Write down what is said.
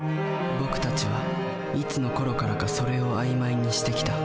僕たちはいつのころからか「それ」を曖昧にしてきた。